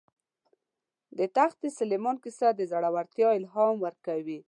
د تخت سلیمان کیسه د زړه ورتیا الهام ورکوي.